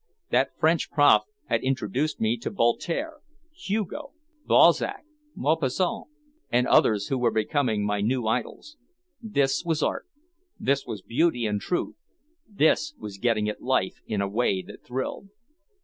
That French prof had introduced me to Voltaire, Hugo, Balzac, Maupassant and others who were becoming my new idols. This was art, this was beauty and truth, this was getting at life in a way that thrilled.